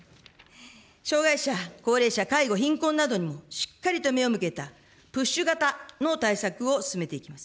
障害者、高齢者、介護、貧困などにしっかりと目を向けた、プッシュ型の対策を進めていきます。